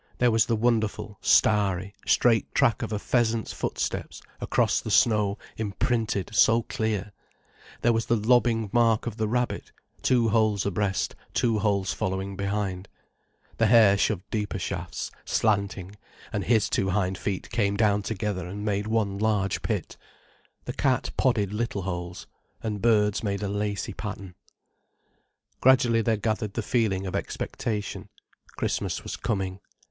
There was the wonderful, starry, straight track of a pheasant's footsteps across the snow imprinted so clear; there was the lobbing mark of the rabbit, two holes abreast, two holes following behind; the hare shoved deeper shafts, slanting, and his two hind feet came down together and made one large pit; the cat podded little holes, and birds made a lacy pattern. Gradually there gathered the feeling of expectation. Christmas was coming.